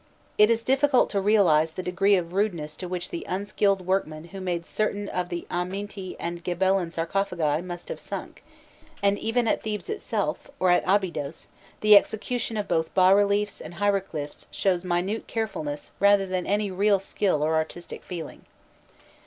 It is difficult to realize the degree of rudeness to which the unskilled workmen who made certain of the Akhmîtn and Gebelên sarcophagi must have sunk; and even at Thebes itself, or at Abydos, the execution of both bas reliefs and hieroglyphs shows minute carefulness rather than any real skill or artistic feeling.